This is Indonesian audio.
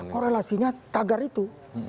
korelasinya tagar itu